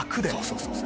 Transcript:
そうそう！